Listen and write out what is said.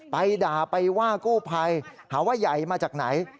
ไปด่าไปว่ากู้ภัยหาว่าใหญ่มาจากไหน